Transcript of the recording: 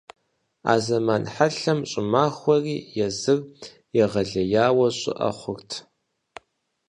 А зэман хьэлъэм щӀымахуэри езыр егъэлеяуэ щӀыӀэ хъурт.